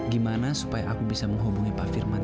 gimana supaya aku bisa menghubungi pak firman